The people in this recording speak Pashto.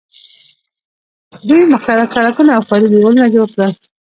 دوی مختلف سړکونه او ښاري دیوالونه جوړ کړل.